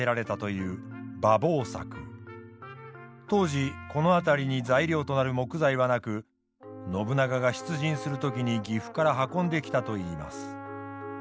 当時この辺りに材料となる木材はなく信長が出陣する時に岐阜から運んできたといいます。